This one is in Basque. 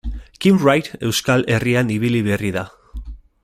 Kim Wright Euskal Herrian ibili berri da.